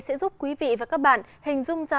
sẽ giúp quý vị và các bạn hình dung ra